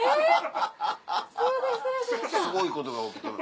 すごいことが起きとる。